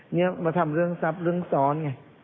นี่มาทำเรื่องทรัพย์เรื่องซ้อนไง